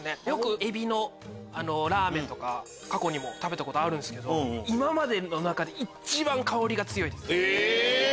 えびのラーメンとか過去にも食べたことあるんすけど今までの中で一番香りが強いです。え！